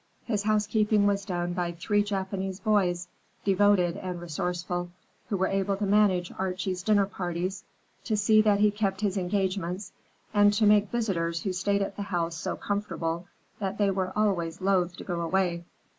His housekeeping was done by three Japanese boys, devoted and resourceful, who were able to manage Archie's dinner parties, to see that he kept his engagements, and to make visitors who stayed at the house so comfortable that they were always loath to go away.